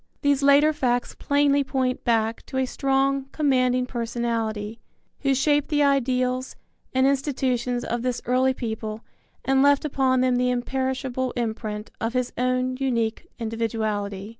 These later facts plainly point back to a strong, commanding personality, who shaped the ideals and institutions of this early people and left upon them the imperishable imprint of his own unique individuality.